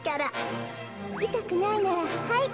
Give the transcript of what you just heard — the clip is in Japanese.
いたくないならはい。